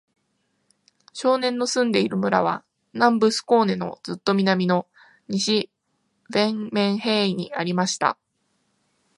少年の住んでいる村は、南部スコーネのずっと南の、西ヴェンメンヘーイにありました。